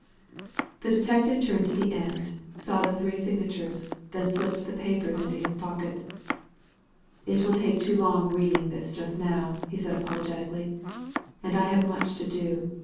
The detective turned to the end, saw the three signatures, then slipped the papers into his pocket ''It will take too long reading this just now," he said apologetically, "and I have much to do.